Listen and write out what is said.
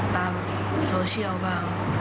ตามโซเชียลบ้าง